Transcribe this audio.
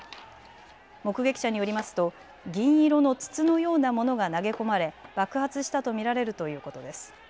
目撃者によりますと銀色の筒のようなものが投げ込まれ爆発したと見られるということです。